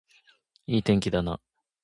いい天気だな